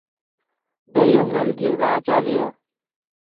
دے یو ملک یو باچہ ڤیو